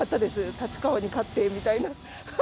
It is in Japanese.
立川に勝ってみたいな。